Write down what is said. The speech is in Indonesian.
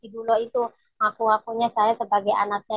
dulu itu aku akunya saya sebagai anaknya